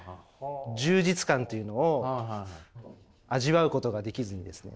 充実感というのを味わうことができずにですね